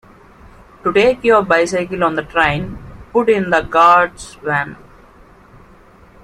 To take your bicycle on the train, put it in the guard’s van